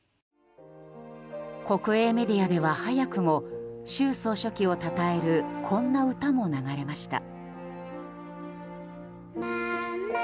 国営メディアでは早くも習総書記をたたえるこんな歌も流れました。